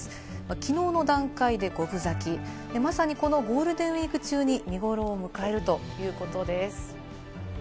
昨日の段階で五分咲き、まさにこのゴールデンウイーク中に見ごろを迎えるということです。